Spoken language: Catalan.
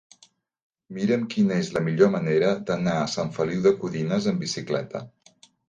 Mira'm quina és la millor manera d'anar a Sant Feliu de Codines amb bicicleta.